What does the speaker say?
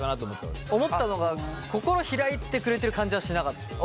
思ったのが心開いてくれてる感じはしなかった。